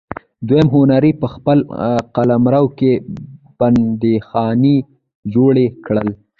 دویم هانري په خپل قلمرو کې بندیخانې جوړې کړې.